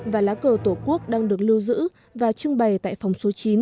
và lá cờ tổ quốc đang được lưu giữ và trưng bày tại phòng số chín